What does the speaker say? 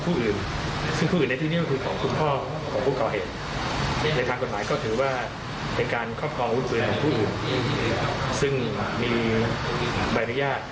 แต่เฉพาะตัวเช่นกันในเรื่องของการยิงปืน